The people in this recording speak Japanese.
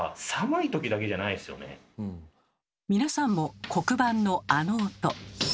皆さんも黒板のあの音。